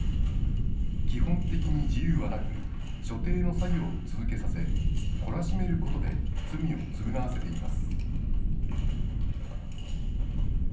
基本的に自由はなく、所定の作業を続けさせ、懲らしめることで罪を償わせています。